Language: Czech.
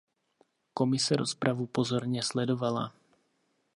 Komise rozpravu pozorně sledovala.